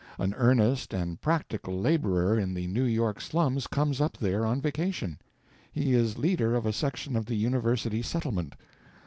An earnest and practical laborer in the New York slums comes up there on vacation—he is leader of a section of the University Settlement.